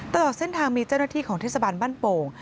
ตลอดเส้นทางมีเจ้าหน้าที่ของเทศบาลบ้านโป่ง